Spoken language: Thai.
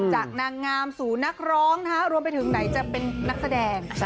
นางงามสู่นักร้องรวมไปถึงไหนจะเป็นนักแสดง